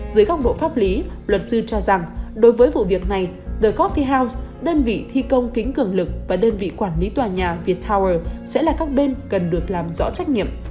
dưới góc độ pháp lý luật sư cho rằng đối với vụ việc này the cop fi health đơn vị thi công kính cường lực và đơn vị quản lý tòa nhà viettower sẽ là các bên cần được làm rõ trách nhiệm